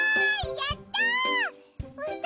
やった！！